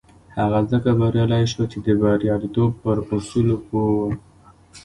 هغه ځکه بريالی شو چې د برياليتوب پر اصولو پوه و.